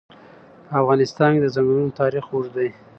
په افغانستان کې د چنګلونه تاریخ اوږد دی.